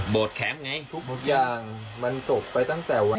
แข็งไงทุกอย่างมันจบไปตั้งแต่วัน